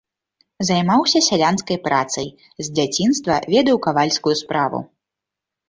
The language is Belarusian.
Займаўся сялянскай працай, з дзяцінства ведаў кавальскую справу.